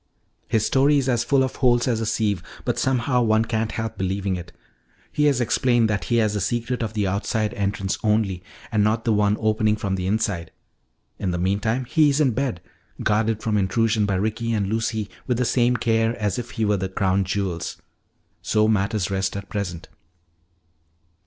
"His story is as full of holes as a sieve but somehow one can't help believing it. He has explained that he has the secret of the outside entrance only, and not the one opening from the inside. In the meantime he is in bed guarded from intrusion by Ricky and Lucy with the same care as if he were the crown jewels. So matters rest at present."